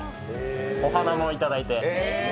お花もいただいて。